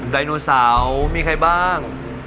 ไดโนเสาร์มีใครบ้าง